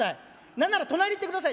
何なら隣行ってください。